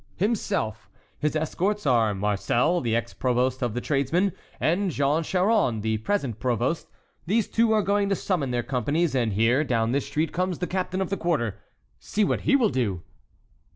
"Himself! His escorts are Marcel, the ex provost of the tradesmen, and Jean Choron, the present provost. These two are going to summon their companies, and here, down this street comes the captain of the quarter. See what he will do!"